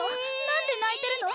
なんでないてるの？